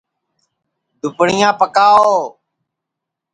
دُپڑِیاں پکاؤ